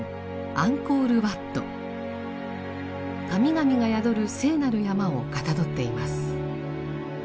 神々が宿る聖なる山をかたどっています。